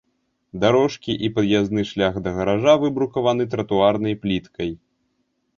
Дарожкі і пад'язны шлях да гаража выбрукаваны тратуарнай пліткай.